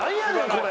これ。